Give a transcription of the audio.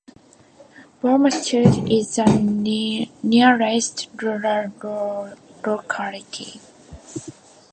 Bammatyurt is the nearest rural locality.